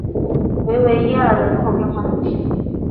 维维耶尔人口变化图示